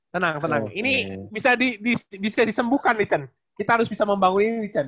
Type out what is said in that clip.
tenang tenang ini bisa disembuhkan lichen kita harus bisa membangun ini lichen